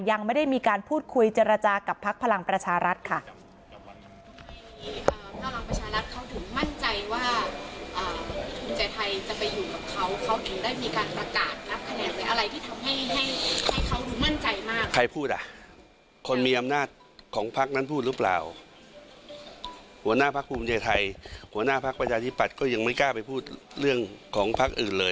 ยังไม่ได้มีการพูดคุยเจรจากับพักพลังประชารัฐค่ะ